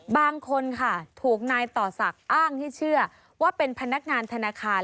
บางคนค่ะถูกนายต่อศักดิ์อ้างให้เชื่อว่าเป็นพนักงานธนาคาร